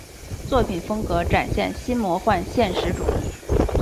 作品风格展现新魔幻现实主义。